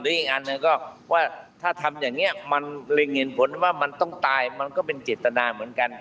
อีกอันหนึ่งก็ว่าถ้าทำอย่างนี้มันเร็งเห็นผลว่ามันต้องตายมันก็เป็นเจตนาเหมือนกัน